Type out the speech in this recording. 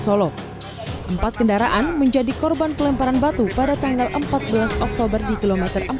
solo empat kendaraan menjadi korban pelemparan batu pada tanggal empat belas oktober di kilometer empat puluh